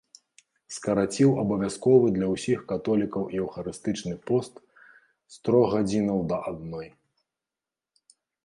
Скараціў абавязковы для ўсіх католікаў еўхарыстычны пост з трох гадзінаў да адной.